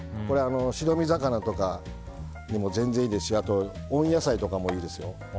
白身魚にも全然いいですし温野菜とかにもいいですよ。